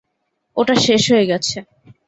ওটা শেষ হয়ে গেছে।